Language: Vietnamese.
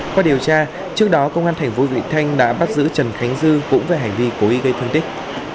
qua điều tra trước đó công an thành phố vị thanh đã bắt giữ trần khánh dư cũng về hành vi cố ý gây thương tích